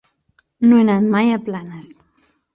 No he anat mai a Planes.